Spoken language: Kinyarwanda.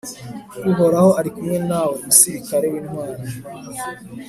uhoraho ari kumwe nawe, musirikare w'intwari